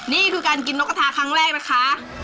นี่คือการกินนกกระทาครั้งแรกนะคะ